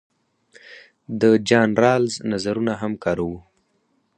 د جان رالز نظرونه هم کاروو.